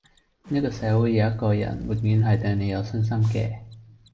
呢個社會有一個人永遠係對你有信心嘅